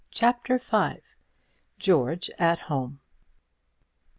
CHAPTER V. GEORGE AT HOME.